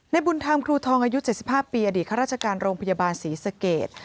บุญธรรมครูทองอายุ๗๕ปีอดีตข้าราชการโรงพยาบาลศรีสเกต